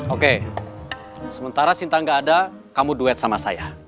oke sementara sinta gak ada kamu duet sama saya